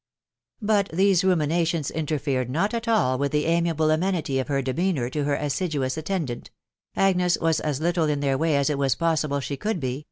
But these ruminations interfered not at all via the amiable amenity of her demeanour to her amdnoa attendant .... Agnes was as little in their way, a* it mm possible she could be